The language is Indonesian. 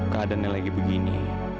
keadaannya lagi begini